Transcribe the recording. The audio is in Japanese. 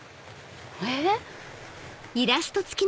えっ？